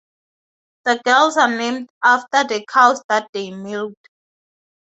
The girls are named after the cows that they milk.